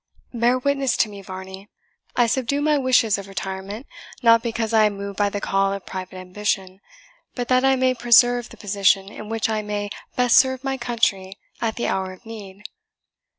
Bear witness to me, Varney; I subdue my wishes of retirement, not because I am moved by the call of private ambition, but that I may preserve the position in which I may best serve my country at the hour of need.